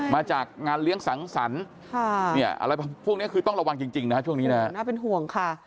มาจากงานเลี้ยงสังสรรค์พวกนี้คือต้องระวังจริงนะครับน่าเป็นห่วงค่ะ